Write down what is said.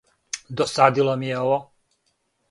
Досадило ми је ово.